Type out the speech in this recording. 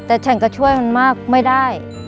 แต่ฉันก็ช่วยมันมากไม่ได้